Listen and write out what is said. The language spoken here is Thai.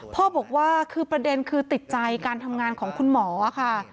พ่อบอกว่าคือประเด็นคือติดใจการทำงานของคุณหมอค่ะ